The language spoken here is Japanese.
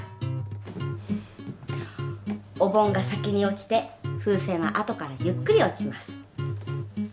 お盆が先に落ちて風船は後からゆっくり落ちます。